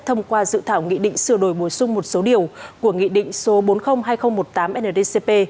thông qua dự thảo nghị định sửa đổi bổ sung một số điều của nghị định số bốn trăm linh hai nghìn một mươi tám ndcp